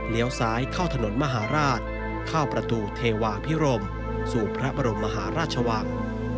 ซ้ายเข้าถนนมหาราชเข้าประตูเทวาพิรมสู่พระบรมมหาราชวัง